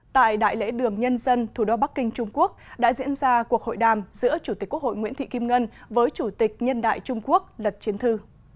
tại đại lễ đường nhân dân thủ đô bắc kinh trung quốc đã diễn ra cuộc hội đàm giữa chủ tịch quốc hội nguyễn thị kim ngân với chủ tịch nhân đại trung quốc lật chiến thư